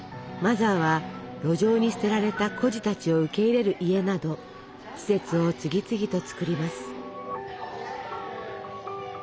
マザーは路上に捨てられた孤児たちを受け入れる家など施設を次々とつくります。